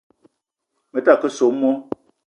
Me ta ke soo moo